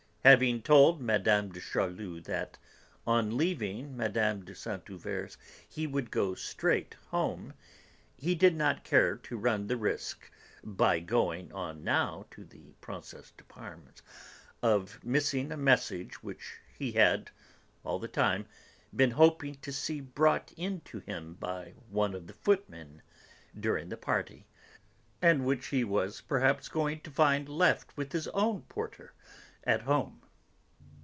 Having told M. de Charlus that, on leaving Mme. de Saint Euverte's, he would go straight home, he did not care to run the risk, by going on now to the Princesse de Parme's, of missing a message which he had, all the time, been hoping to see brought in to him by one of the footmen, during the party, and which he was perhaps going to find left with his own porter, at home.